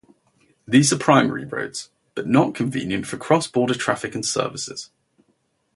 These are primary roads but not convenient for cross-border traffic and services.